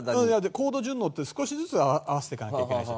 高度順応って少しずつ合わせていかなきゃいけないし。